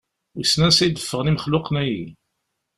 Wissen ansa i d-ffɣen imexluqen-aki?